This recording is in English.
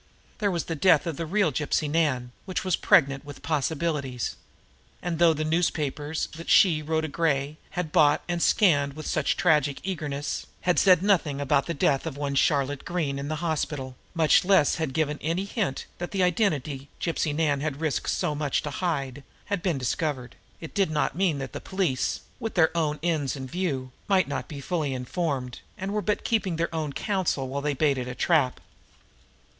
There was the death of the real Gypsy Nan, which was pregnant with possibilities; and though the newspapers, that she, Rhoda Gray, had bought and scanned with such tragic eagerness, had said nothing about the death of one Charlotte Green in the hospital, much less had given any hint that the identity Gypsy Nan had risked so much to hide had been discovered, it did not mean that the police, with their own ends in view, might not be fully informed, and were but keeping their own counsel while they baited a trap.